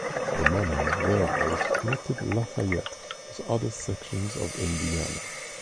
The Monon Railroad connected Lafayette with other sections of Indiana.